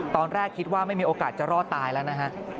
ตอนแรกคิดว่าไม่มีโอกาสจะรอดตายแล้วนะฮะ